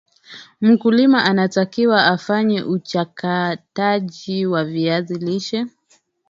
mkulima anatakiwa afanye uchakataji wa viazi lishe